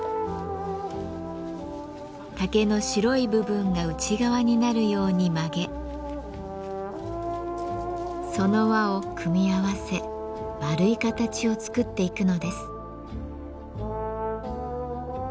竹の白い部分が内側になるように曲げその輪を組み合わせ丸い形を作っていくのです。